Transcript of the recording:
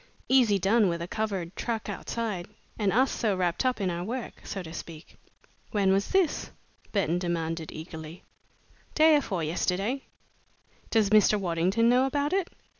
Easy done with a covered truck outside and us so wrapped up in our work, so to speak." "When was this?" Burton demanded, eagerly. "Day afore yesterday." "Does Mr. Waddington know about it?"